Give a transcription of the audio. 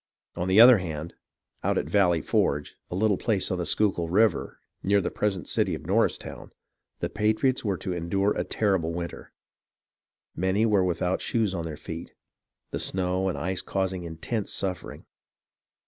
On the other hand, out at Valley Forge, a little place on the Schuylkill River, near the present city of Norristown, the patriots were to endure a terrible winter. Many were without shoes for their feet, the snow and ice causing intense suffering.